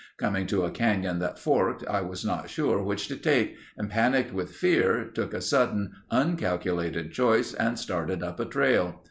Coming to a canyon that forked, I was not sure which to take and panicked with fear took a sudden uncalculated choice and started up a trail.